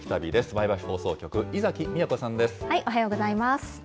前橋放送局、おはようございます。